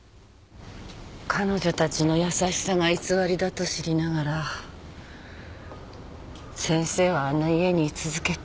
彼女たちの優しさが偽りだと知りながら先生はあの家にい続けた。